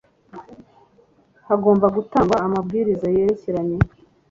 hagomba gutangwa amabwiriza yerekeranye